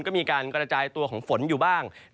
ก็มีการกระจายตัวของฝนอยู่บ้าง